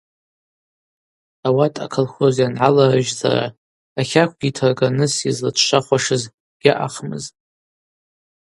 Ауат аколхоз йангӏаларыжьзара, ахаквгьи йтыргарныс йызлачвшвахуашыз гьаъахмызтӏ.